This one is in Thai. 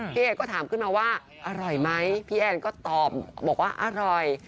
พี่เอกก็ถามขึ้นมาว่าอร่อยไหมพี่แอนก็ตอบบอกว่าอร่อย